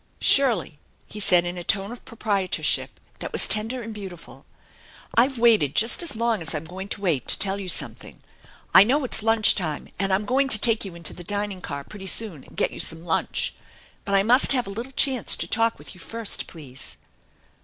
"Shirley," he said in a tone of proprietorship that was tender and beautiful, " I've waited just as long as I'm going to wait to tell you something. I know it's lunch time, and I'm going to take you into the dining car pretty soon and get you some lunch, but I must have a little chance to talk with you first, please."